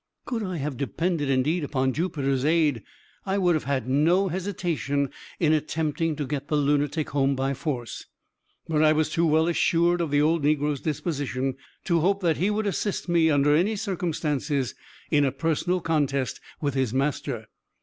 Could I have depended, indeed, upon Jupiter's aid, I would have had no hesitation in attempting to get the lunatic home by force; but I was too well assured of the old negro's disposition to hope that he would assist me, under any circumstances, in a personal contest with his master.